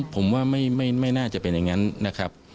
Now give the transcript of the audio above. ผมว่าไม่น่าจะเป็นอย่างนั้นนะครับ